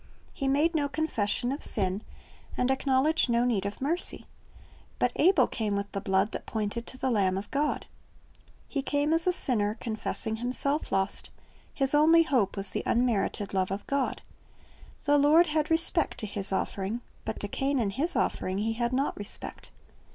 He made no confession of sin, and acknowledged no need of mercy. But Abel came with the blood that pointed to the Lamb of God. He came as a sinner, confessing himself lost; his only hope was the unmerited love of God. The Lord had respect to his offering, but to Cain and his offering He had not respect.